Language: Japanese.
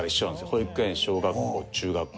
保育園小学校中学校。